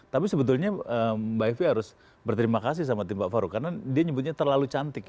tapi sebetulnya mbak evi harus berterima kasih sama tim pak faruk karena dia nyebutnya terlalu cantik ya